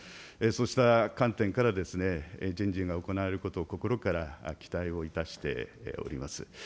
そうした観点から、人事が行われることを心から期待をいたしております。